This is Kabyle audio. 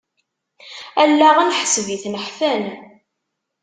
Allaɣen ḥseb-iten ḥfan.